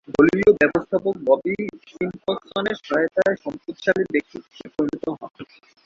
দলীয় ব্যবস্থাপক ববি সিম্পসনের সহায়তায় সম্পদশালী ব্যক্তিত্বে পরিণত হন।